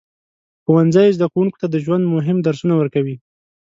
ښوونځی زده کوونکو ته د ژوند مهم درسونه ورکوي.